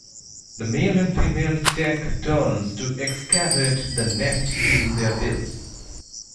The male and female take turns to excavate the nest using their bills.